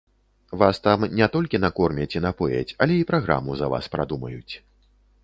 Вас там не толькі накормяць і напояць, але і праграму за вас прадумаюць.